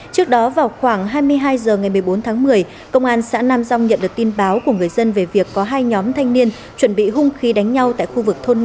công an xã nam dòng nhận được tin báo của người dân về việc có hai nhóm thanh niên chuẩn bị hung khi đánh nhau tại khu vực thôn năm